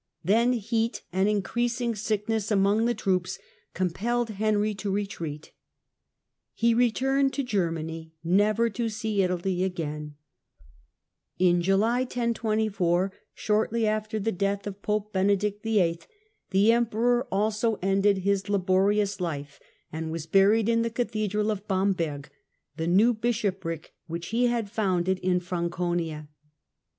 Then eat and increasing sickness among the troops compelled lenry to retreat. He returned to Germany, never to Be Italy again. In July 1024, shortly after the death Death of of Pope Benedict VIII., the Emperor also ended his lolT^ laborious life, and was buried in the cathedral of Bamberg, the new bishopric which he had founded in Franconia.